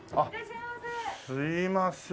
すいません。